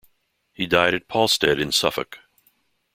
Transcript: He died at Polstead in Suffolk.